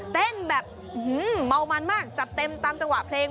เต้นแบบเมามันมากจัดเต็มตามจังหวะเพลง